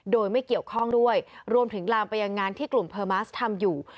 โดยไม่เกี่ยวข้องด้วยรวมถึงลามไปยังงานที่กลุ่มเพอร์มัสทำอยู่